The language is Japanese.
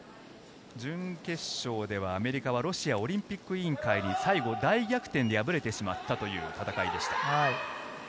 準決勝ではアメリカはロシアオリンピック委員会に最後、大逆転で敗れてしまったという戦いです。